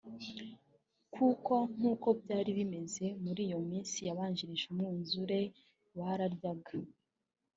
Kuko nkuko byari bimeze muri iyo minsi yabanjirije umwuzure; bararyaga